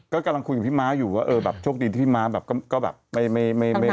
ก็กำลังคุยกับพี่ม้าอยู่ว่าโชคดีที่พี่ม้าก็ไม่ได้มีคือแล้ว